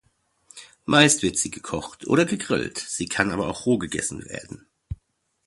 Meist wird sie gekocht oder gegrillt, sie kann aber auch roh gegessen werden.